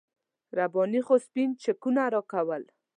رباني خو سپین چکونه راکول.